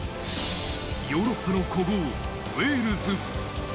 ヨーロッパの古豪・ウェールズ。